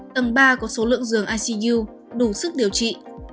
tầng ba có số lượng giường icu đủ sức điều trị